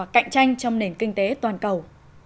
cảnh tranh trong nền kinh tế toàn cầu